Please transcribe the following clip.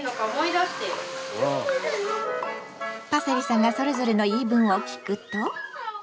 パセリさんがそれぞれの言い分を聞くと。